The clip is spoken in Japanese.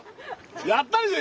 やったでしょ